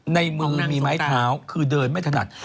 ในมือมีไม้เท้าคือเดินไม่ถนัด